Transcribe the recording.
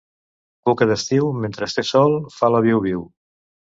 Cuca d'estiu, mentre té sol, fa la viu-viu.